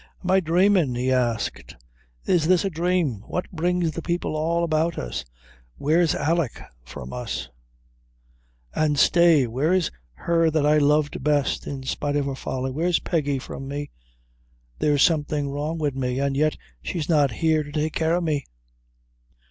"Am I dhramin'?" he asked. "Is this a dhrame? What brings the people all about us? Where's Alick from us an' stay where's her that I loved best, in spite of her folly? Where's Peggy from me there's something wrong wid me and yet she's not here to take care o' me?"